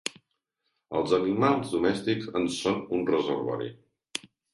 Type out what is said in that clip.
Els animals domèstics en són un reservori.